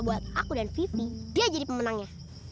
buat aku dan vivi dia jadi pemenangnya